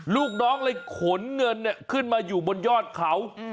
ลูกน้องเลยขนเงินขึ้นมาอยู่บนยอดเขา